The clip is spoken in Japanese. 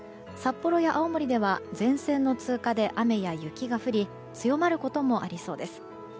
札幌や青森では前線の通過で雨や雪が降り強まることもありそうです。